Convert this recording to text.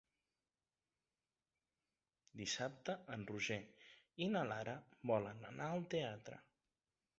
Dissabte en Roger i na Lara volen anar al teatre.